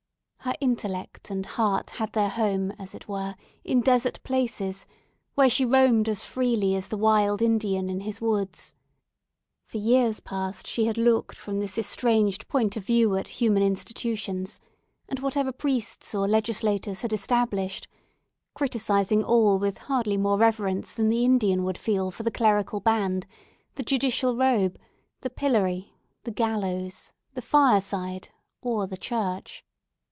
Her intellect and heart had their home, as it were, in desert places, where she roamed as freely as the wild Indian in his woods. For years past she had looked from this estranged point of view at human institutions, and whatever priests or legislators had established; criticising all with hardly more reverence than the Indian would feel for the clerical band, the judicial robe, the pillory, the gallows, the fireside, or the church.